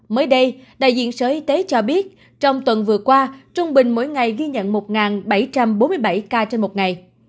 mới đây đại diện sở y tế cho biết trong tuần vừa qua trung bình mỗi ngày ghi nhận một bảy trăm bốn mươi bảy ca trên một ngày